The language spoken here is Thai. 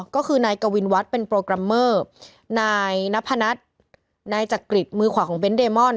ก็คือนายกวินวัฒน์เป็นโปรแกรมเมอร์นายนพนัทนายจักริตมือขวาของเบ้นเดมอน